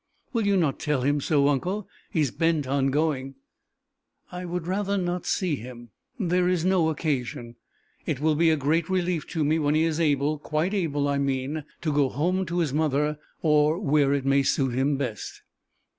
"Will you not tell him so, uncle? He is bent on going!" "I would rather not see him! There is no occasion. It will be a great relief to me when he is able quite able, I mean to go home to his mother or where it may suit him best."